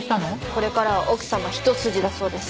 これからは奥様一筋だそうです。